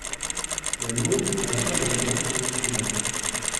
Les mots pour remplir les blancs sont les suivants: